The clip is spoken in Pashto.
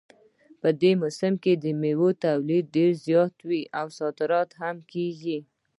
په دې موسم کې د میوو تولید ډېر زیات وي او صادرات هم کیږي